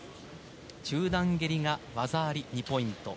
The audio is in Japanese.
中段蹴りが技あり２ポイント